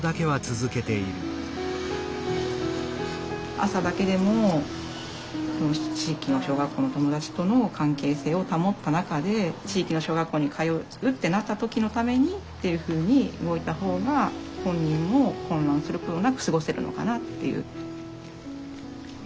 朝だけでも地域の小学校の友達との関係性を保った中で地域の小学校に通うってなった時のためにっていうふうに動いた方が本人も混乱することなく過ごせるのかなっていう。